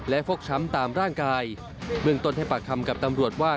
ฟกช้ำตามร่างกายเบื้องต้นให้ปากคำกับตำรวจว่า